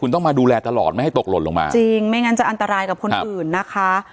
ต้องมาดูแลตลอดไม่ให้ตกหล่นลงมาจริงไม่งั้นจะอันตรายกับคนอื่นนะคะ